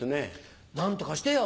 何とかしてよ。